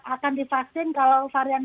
akan divaksin kalau varian